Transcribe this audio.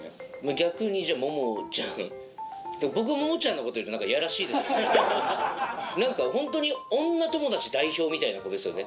逆にじゃモモちゃん。僕がモモちゃんのこと言うと何かいやらしいですよね。何かホントに女友達代表みたいな子ですよね。